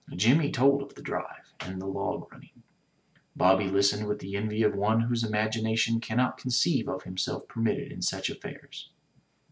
Jimmy told of the drive, and the log running. Bobby listened with the envy of one whose imagination cannot conceive of himself permitted in such affairs.